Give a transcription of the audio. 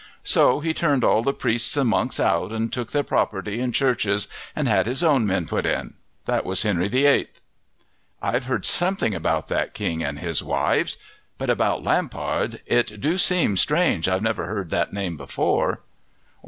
So he turned all the priests and monks out, and took their property and churches and had his own men put in. That was Henry VIII." "I've heard something about that king and his wives. But about Lampard, it do seem strange I've never heard that name before."